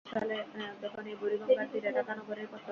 এদিকে শোনো না!